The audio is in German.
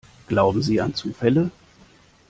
Glauben Sie an Zufälle?